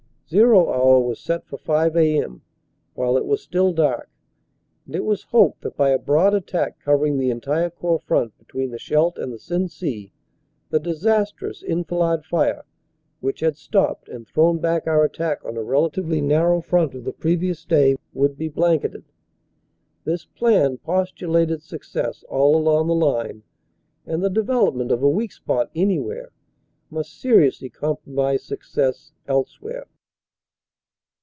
"Zero" hour was set for 5 a.m., while it was still dark, and it was hoped that by a broad attack covering the entire Corps front between the Scheldt and the Sensee the disastrous enfilade fire, which had stopped and thrown back our attack on a relatively narrow OPERATIONS: SEPT. 30 OCT. 2 261 front of the previous day, would be blanketed. This plan postulated success all along the line and the development of a weak spot anywhere must seriously compromise success else where.